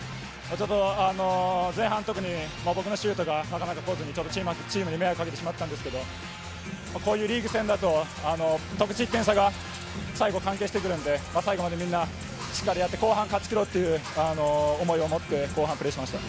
前半特に、僕のシュートがなかなか決まらずに、チームに迷惑かけてしまったんですけれども、こういうリーグ戦だと、得失点差が最後関係してくるんで、最後までみんなしっかりやって、後半勝ち切ろうっていう思いを持って、後半、プレーしました。